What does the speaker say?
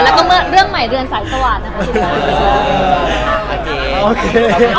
และเรื่องใหม่เรือนสายสวาสน์นะคะ